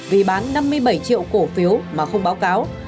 vì bán năm mươi bảy triệu cổ phiếu mà không báo cáo